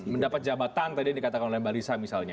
mendapat jabatan tadi yang dikatakan oleh mbak lisa misalnya